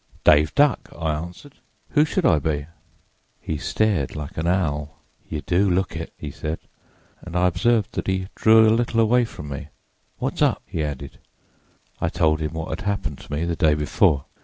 "'Dave Duck,' I answered; 'who should I be?' "He stared like an owl. "'You do look it,' he said, and I observed that he drew a little away from me. 'What's up?' he added. "I told him what had happened to me the day before.